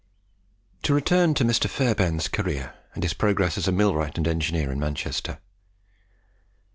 To return to Mr. Fairbairn's career, and his progress as a millwright and engineer in Manchester.